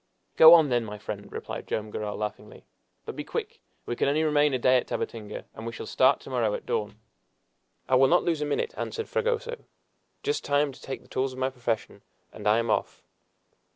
"Go on, then, friend," replied Joam Garral laughingly; "but be quick! we can only remain a day at Tabatinga, and we shall start to morrow at dawn." "I will not lose a minute," answered Fragoso "just time to take the tools of my profession, and I am off."